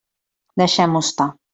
Deixem-ho estar.